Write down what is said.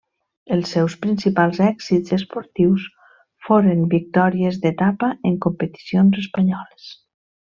Els seus principals èxits esportius foren victòries d'etapa en competicions espanyoles.